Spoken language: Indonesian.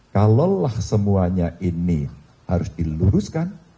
kalaulah semuanya ini harus diluruskan